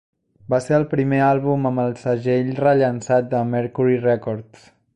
Va ser el primer àlbum amb el segell rellançat de Mercury Records.